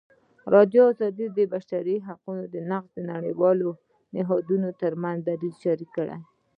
ازادي راډیو د د بشري حقونو نقض د نړیوالو نهادونو دریځ شریک کړی.